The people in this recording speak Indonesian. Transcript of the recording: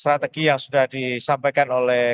strategi yang sudah disampaikan oleh